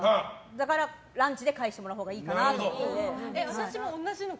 だからランチで返してもらうほうがいいかなって。